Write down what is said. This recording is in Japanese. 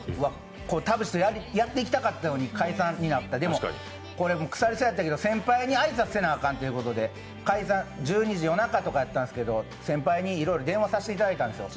田渕とやっていきたかったのに解散になった、でも、腐りそうやったけど、先輩に挨拶せなあかんということで、解散１２時、夜中とかやったんですけど、先輩にいろいろ電話させてもらったんですよ。